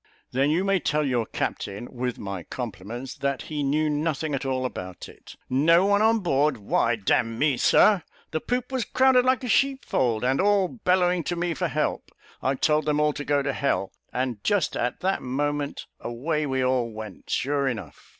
"Then you may tell your captain, with my compliments, that he knew nothing at all about it. No one on board! Why, d me, Sir, the poop was crowded like a sheepfold, and all bellowing to me for help. I told them all to go to h , and just at that moment away we all went, sure enough.